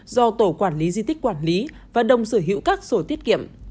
do tổ quản lý di tích quản lý và đồng sở hữu các sổ tiết kiệm